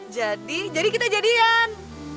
jadi jadi kita jadian